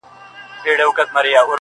• و دې پتنګ زړه ته مي ګرځمه لمبې لټوم..